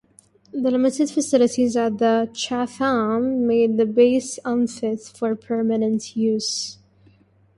The limited facilities at Chatham made the base unfit for permanent use.